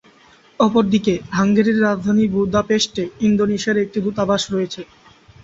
অপরদিকে, হাঙ্গেরির রাজধানী বুদাপেস্টে ইন্দোনেশিয়ার একটি দূতাবাস রয়েছে।